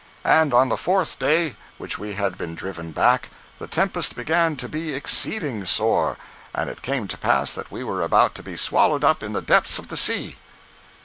And on the fourth day, which we had been driven back, the tempest began to be exceeding sore. And it came to pass that we were about to be swallowed up in the depths of the sea.